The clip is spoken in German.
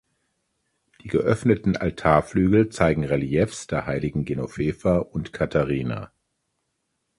Die geöffneten Altarflügel zeigen Reliefs der heiligen Genoveva und Katharina.